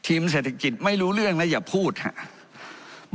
เศรษฐกิจไม่รู้เรื่องนะอย่าพูดครับ